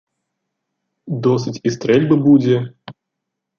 Досыць і стрэльбы будзе!